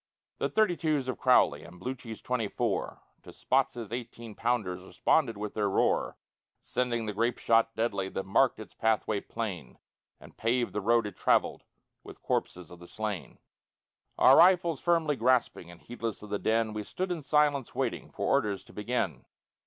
The thirty twos of Crowley And Bluchi's twenty four To Spotts's eighteen pounders Responded with their roar, Sending the grape shot deadly That marked its pathway plain, And paved the road it travelled With corpses of the slain. Our rifles firmly grasping, And heedless of the din, We stood in silence waiting For orders to begin.